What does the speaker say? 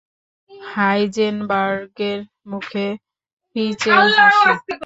হাইজেনবার্গের মুখে ফিচেল হাসি।